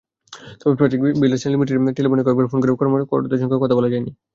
তবে project builders লিমিটেডের টেলিফোনে কয়েকবার ফোন করেও কর্মকর্তাদের সঙ্গে কথা বলা যায়নি।